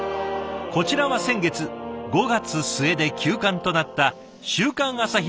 こちらは先月５月末で休刊となった「週刊朝日」の最終号。